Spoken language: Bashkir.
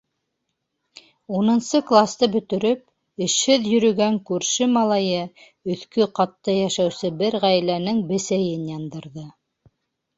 Унынсы класты бөтөрөп, эшһеҙ йөрөгән күрше малайы өҫкө ҡатта йәшәүсе бер ғаиләнең бесәйен яндырҙы.